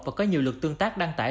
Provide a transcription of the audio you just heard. và có nhiều lực tương tác đăng tải